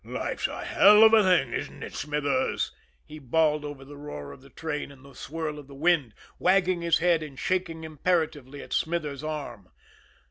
"Life's a hell of a thing, ain't it, Smithers?" he bawled over the roar of the train and the swirl of the wind, wagging his head and shaking imperatively at Smithers' arm.